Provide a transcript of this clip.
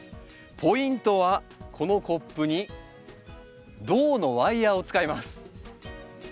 ポイントはこのコップに銅のワイヤーを使います。